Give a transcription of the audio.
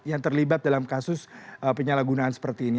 yang terlibat dalam kasus penyalahgunaan seperti ini